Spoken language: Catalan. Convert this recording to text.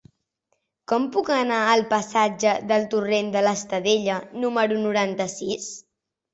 Com puc anar al passatge del Torrent de l'Estadella número noranta-sis?